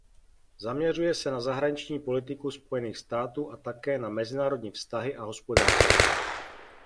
Zaměřuje se na zahraniční politiku Spojených států a také na mezinárodní vztahy a hospodářství.